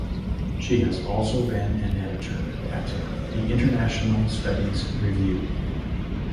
She has also been an editor at the International Studies Review.